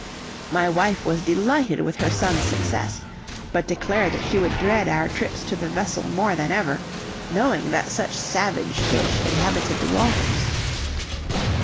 My wife was delighted with her son's success, but declared that she would dread our trips to the vessel more than ever, knowing that such savage fish inhabited the waters.